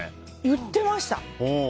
売ってました。